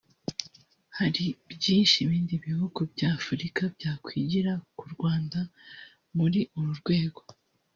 Hari byinshi ibindi bihugu bya Afurika byakwigira ku Rwanda muri uru rwego